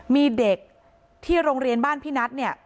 มีเด็กที่โรงเรียนบ้านพี่นัทเนี่ย